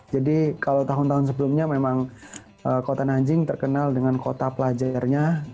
jadi kalau tahun tahun sebelumnya memang kota nanjing terkenal dengan kota pelajarnya